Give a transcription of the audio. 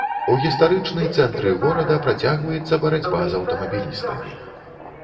У гістарычны цэнтры горада працягваецца барацьба з аўтамабілістамі.